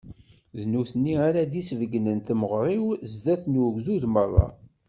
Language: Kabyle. D nutni ara d-isbeggnen temɣer-iw zdat n ugdud meṛṛa.